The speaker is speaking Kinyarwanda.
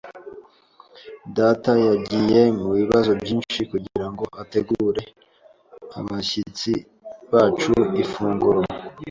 Data yagiye mubibazo byinshi kugirango ategure abashyitsi bacu ifunguro.